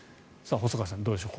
細川さん、どうでしょうか。